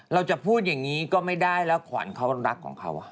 เราจะพูดอย่างนี้ก็ไม่ได้แล้วขวัญเขารักของเขา